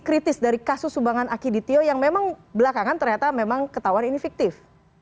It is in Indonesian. kritis dari kasus sumbangan akidi tio yang memang belakangan ternyata memang ketahuan ini fiktif